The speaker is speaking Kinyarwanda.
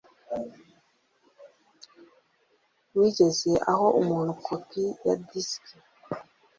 Wigeze uha umuntu kopi ya disiki?